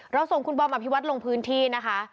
ส่งคุณบอมอภิวัตรลงพื้นที่นะคะ